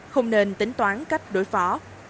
không nên tính toán cách đối phó